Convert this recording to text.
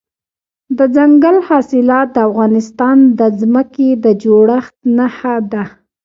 دځنګل حاصلات د افغانستان د ځمکې د جوړښت نښه ده.